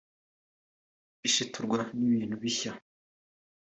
Ashiturwa n’ibintu bishya